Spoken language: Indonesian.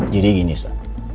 jadi gini sa